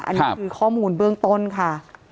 อันนี้คือข้อมูลเบื้องต้นค่ะ